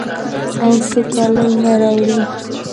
او سوکالي نه راوړي.